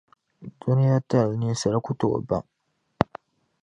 Duniatali ninsal’ ku tooi baŋ.